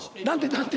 何て？